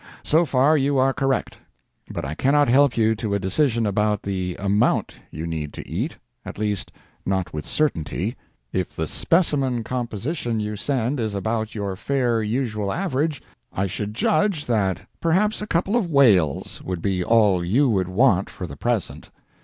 So far you are correct. But I cannot help you to a decision about the amount you need to eat—at least, not with certainty. If the specimen composition you send is about your fair usual average, I should judge that perhaps a couple of whales would be all you would want for the present.